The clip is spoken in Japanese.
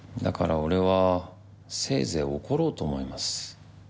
だから俺はせいぜい怒ろうと思います。